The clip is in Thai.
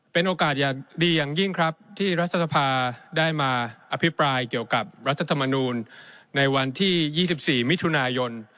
เป็นโอกาสอย่างดีอย่างยิ่งครับที่รัฐสภาได้มาอภิปรายเกี่ยวกับรัฐธรรมนูลในวันที่๒๔มิถุนายน